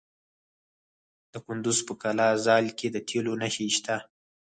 د کندز په قلعه ذال کې د تیلو نښې شته.